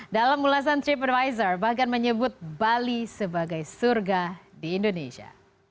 dalam ulasan trip advisor bahkan menyebut bali sebagai surga di indonesia